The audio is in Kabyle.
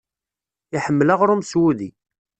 Iḥemmel aɣrum s wudi.